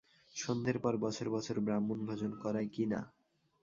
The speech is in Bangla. সন্ধের পর বছর বছর ব্রাহ্মণভোজন করায় কি না।